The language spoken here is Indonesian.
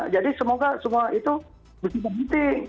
jadi semoga semua itu berhenti berhenti